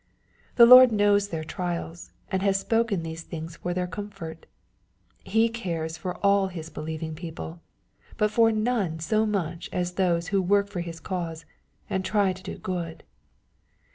The Lord knows their trials, and has spoken these things for their comfort. He cares for all His beUeving people, but for none so much as those who work for His cause, and try to do good.